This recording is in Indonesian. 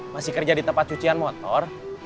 masih kerja di tempat cucian motor